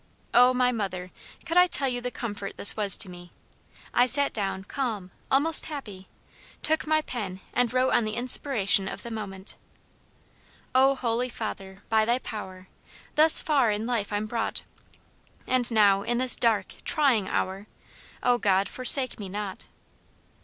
O, my mother, could I tell you the comfort this was to me. I sat down, calm, almost happy, took my pen and wrote on the inspiration of the moment "O, holy Father, by thy power, Thus far in life I'm brought; And now in this dark, trying hour, O God, forsake me not.